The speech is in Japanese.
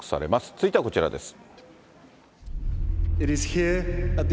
続いてはこちらです。